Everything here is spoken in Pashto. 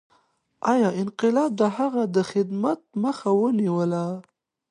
ایا انقلاب د هغه د خدمت مخه ونیوله؟